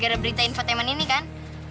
gara gara berita infotainment ini kan